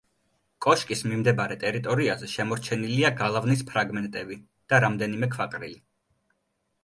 კოშკის მიმდებარე ტერიტორიაზე შემორჩენილია გალავნის ფრაგმენტები და რამდენიმე ქვაყრილი.